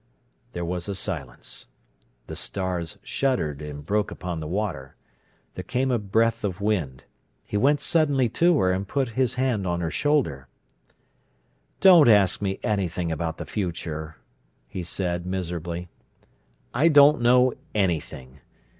There was a silence. The stars shuddered and broke upon the water. There came a breath of wind. He went suddenly to her, and put his hand on her shoulder. "Don't ask me anything about the future," he said miserably. "I don't know anything.